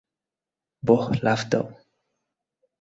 বোহ, লাফ দাও!